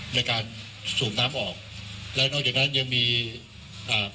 ในการสูบน้ำออกและนอกจากนั้นยังมีอ่า